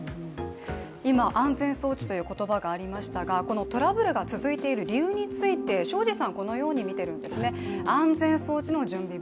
今、安全装置という言葉がありましたが、トラブルが相次いでいる理由について庄司さんは、このように見ているんですね。